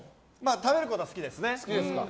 食べることは好きですね。